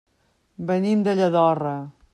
Venim de Lladorre.